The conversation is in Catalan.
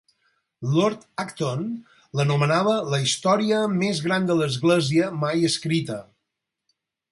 Lord Acton l'anomenava la història més gran de l'església mai escrita.